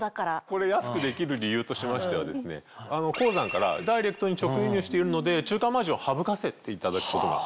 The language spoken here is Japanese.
これ安くできる理由としましては鉱山からダイレクトに直輸入しているので中間マージンを省かせていただくことが。